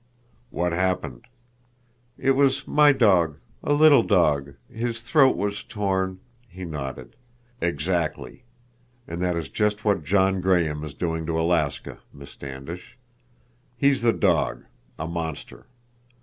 "What happened?" "It was my dog—a little dog. His throat was torn—" He nodded. "Exactly. And that is just what John Graham is doing to Alaska, Miss Standish. He's the dog—a monster.